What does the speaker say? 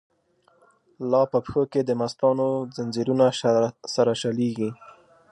لا په پښو کی دمستانو، ځنځیرونه سره شلیږی